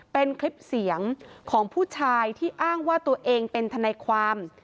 เป็นคลิปเสียงของผู้ชายที่อ้างว่าตัวเองเป็นทนายความ